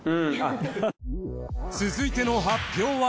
続いての発表は。